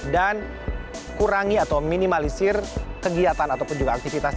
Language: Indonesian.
dan kurangi atau minimalisir kegiatan ataupun juga aktivitas